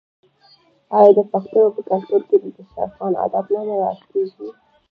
آیا د پښتنو په کلتور کې د دسترخان اداب نه مراعات کیږي؟